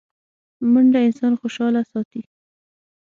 منډه انسان خوشحاله ساتي